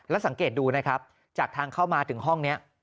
แล้วสังเกตดูนะครับจากทางเข้ามาถึงห้องนี้